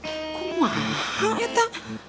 aku mau makan eta